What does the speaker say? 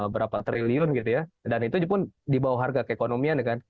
berapa triliun gitu ya dan itu pun dibawa harga keekonomian